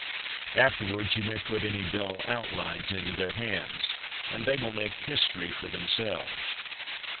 Afterwards, you may put any dull outlines into their hands, and they will make history for themselves.